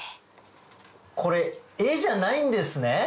これ絵じゃないんですね。